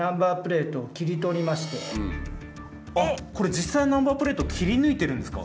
実際のナンバープレートを切り抜いてるんですか？